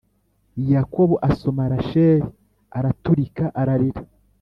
Yakobo asoma Rasheli araturika ararira